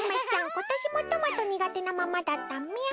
今年もトマト苦手なままだったみゃ。